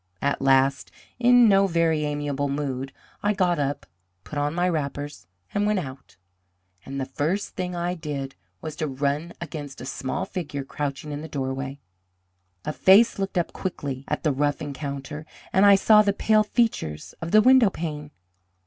"At last, in no very amiable mood, I got up, put on my wrappers, and went out; and the first thing I did was to run against a small figure crouching in the doorway. A face looked up quickly at the rough encounter, and I saw the pale features of the window pane.